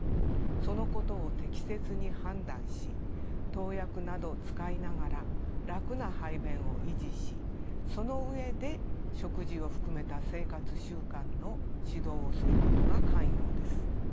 そのことを適切に判断し投薬などを使いながら楽な排便を維持しその上で食事を含めた生活習慣の指導をすることが肝要です。